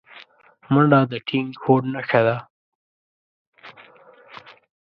منډه د ټینګ هوډ نښه ده